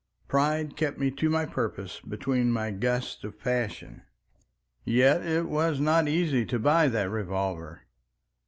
Pride kept me to my purpose between my gusts of passion. Yet it was not easy to buy that revolver.